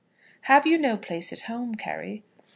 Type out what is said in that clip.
"Have you no place at home, Carry?"